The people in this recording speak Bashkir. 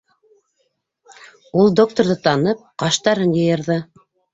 Ул, докторҙы танып, ҡаштарын йыйырҙы.